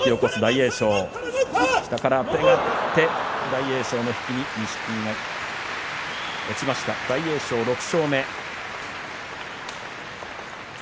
大栄翔の引き錦木が落ちました大栄翔６勝目。